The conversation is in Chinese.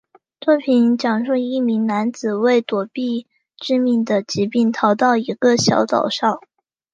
作品讲述一名男子为躲避致命的疾病逃到一个小岛上。